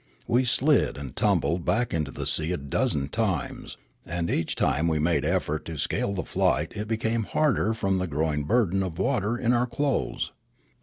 We slid and tumbled back into the sea a dozen times, and each time we made effort to scale the flight it became harder from the growing burden of water in our clothes.